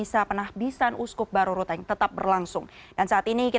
selamat sore pak